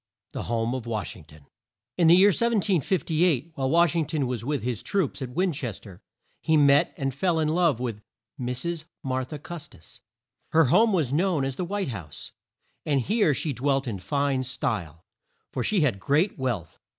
THE HOME OF WASH ING TON. In the year 1758, while Wash ing ton was with his troops at Win ches ter, he met and fell in love with Mrs. Mar tha Cus tis. Her home was known as the White House, and here she dwelt in fine style, for she had great wealth.